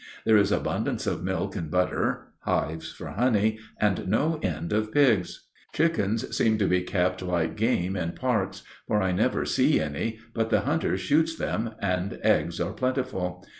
There is abundance of milk and butter, hives for honey, and no end of pigs. Chickens seem to be kept like game in parks, for I never see any, but the hunter shoots them, and eggs are plentiful.